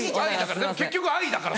でも結局愛だから。